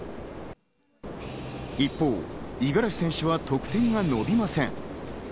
一方、五十嵐選手は得点が伸びません。